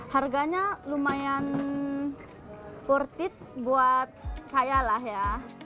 harganya lumayan kurtit buat saya lah ya